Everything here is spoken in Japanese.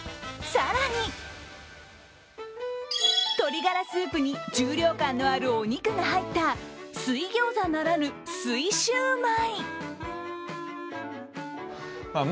更に、鶏ガラスープに重量感のあるお肉が入った水ギョーザならぬ、水焼売。